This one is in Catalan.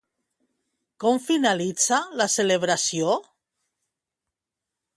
Com finalitza la celebració?